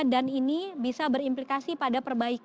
dan ini bisa berimplikasi pada perusahaan yang lain